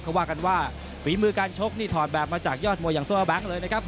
เขาว่ากันว่าฝีมือการชกนี่ถอดแบบมาจากยอดมวยอย่างโซแบงค์เลยนะครับ